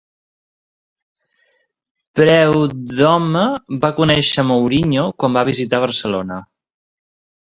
Preud'homme va conèixer Mourinho quan va visitar Barcelona.